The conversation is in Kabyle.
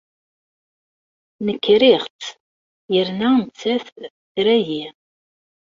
Nekk riɣ-tt yerna nettat tra-iyi.